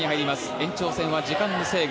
延長戦は時間無制限。